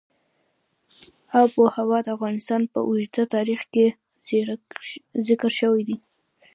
آب وهوا د افغانستان په اوږده تاریخ کې ذکر شوی دی.